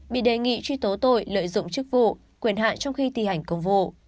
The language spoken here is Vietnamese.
bị đề nghị truy tố tội lợi dụng chức vụ quyền hạn trong khi thi hành công vụ